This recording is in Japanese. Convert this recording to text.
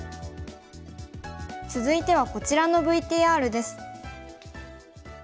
続いてはこちらのＶＴＲです。